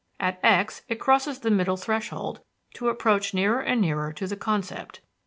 At X it crosses the middle threshold to approach nearer and nearer to the concept.